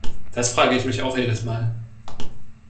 Das frage ich mich auch jedes Mal.